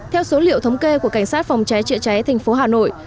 theo số liệu thống kê của cảnh sát phòng cháy chữa cháy thành phố hà nội